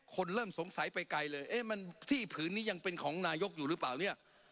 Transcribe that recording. คนเริ่มสงสัยไปไกลเลยเอ๊ะมันที่ผืนนี้ยังเป็นของนายกอยู่หรือเปล่าเนี่ย